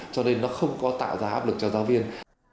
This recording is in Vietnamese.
cho nên nó không có tạo ra áp lực cho giáo viên